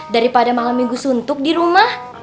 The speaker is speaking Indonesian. daripada malam minggu suntuk di rumah